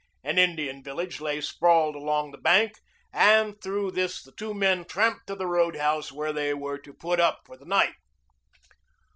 An Indian village lay sprawled along the bank, and through this the two men tramped to the roadhouse where they were to put up for the night.